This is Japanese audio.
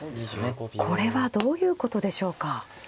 これはどういうことでしょうか。